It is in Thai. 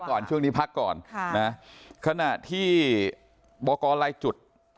ก่อนช่วงนี้พักก่อนขณะที่บอกกรลายจุด